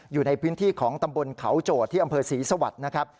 อยู่ในพื้นที่ของตำบลเขาโจทย์ที่อำเภอศรีสวัสดิ์